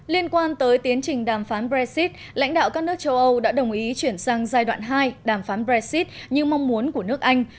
liên quan tới tiến trình đàm phán brexit lãnh đạo các nước châu âu đã đồng ý chuyển sang giai đoạn hai đàm phán brexit như mong muốn của nước anh